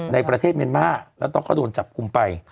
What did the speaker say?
ในประเทศเมนเมาส์แล้วต้องก็โดนจับกลุ่มไป